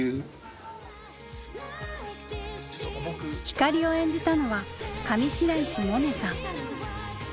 光を演じたのは上白石萌音さん。